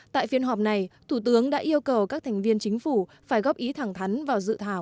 tại phiên họp này thủ tướng đã yêu cầu các thành viên chính phủ phải góp ý thẳng thắn vào dự thảo